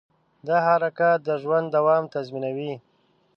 دا حرکت د ژوند دوام تضمینوي.